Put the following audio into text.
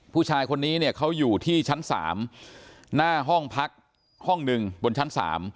ผู้ชายคนนี้เนี่ยเขาอยู่ที่ชั้น๓หน้าห้องพักห้องหนึ่งบนชั้น๓